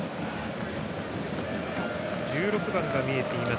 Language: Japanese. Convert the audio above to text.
１６番が見えています